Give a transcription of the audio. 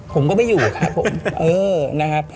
ผมก็ไม่อยู่ครับผมเออนะครับ